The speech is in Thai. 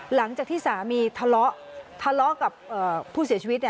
หลังจากที่สามีทะเลาะกับผู้เสียชีวิต